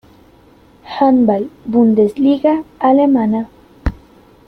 Handball-Bundesliga alemana.